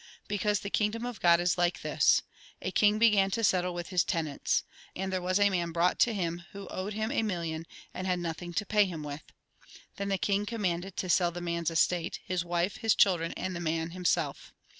" Because the kingdom of God is like this. A king began to settle with his tenants. And there was a man brought to him who owed him a million, and had nothing to pay him with. Then the king commanded to sell the man's estate, his wife, his children, and the man himself.